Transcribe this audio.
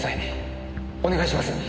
お願いします！